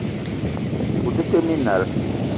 O te tee minal.